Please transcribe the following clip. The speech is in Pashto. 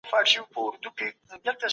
مذهب پر ژوند اغېز درلود.